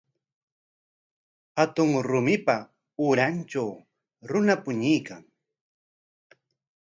Hatun rumipa urantraw runa puñuykan.